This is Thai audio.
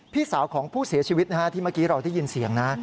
พี่สาวของผู้เสียชีวิตนะฮะที่เมื่อกี้เราได้ยินเสียงนะ